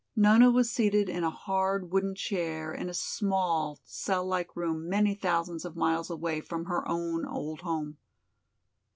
Nona was seated in a hard wooden chair in a small, cell like room many thousands of miles away from her own old home.